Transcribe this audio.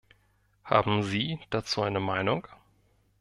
Haben Sie dazu eine Meinung?